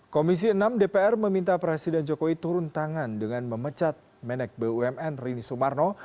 komisi enam dpr meminta presiden jokowi turun tangan dengan memecat menek bumn rini sumarno